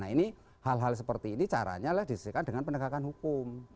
nah ini hal hal seperti ini caranya lah diselesaikan dengan penegakan hukum